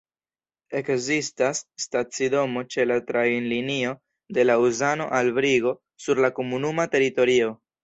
Ekzistas stacidomo ĉe la trajnlinio de Laŭzano al Brigo sur la komunuma teritorio.